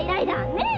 ねえ！